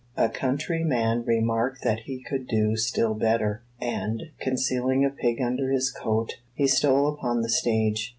A countryman remarked that he could do still better, and, concealing a pig under his coat, he stole upon the stage.